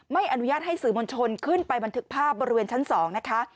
ไม่อนุญาตให้สื่อมวลชนขึ้นไปบันทึกภาพบริเวณชั้น๒นะคะ